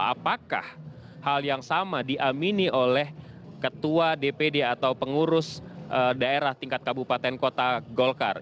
apakah hal yang sama diamini oleh ketua dpd atau pengurus daerah tingkat kabupaten kota golkar